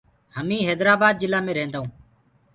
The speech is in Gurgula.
مينٚ هيدرآبآد جلآ مي ريهدونٚ.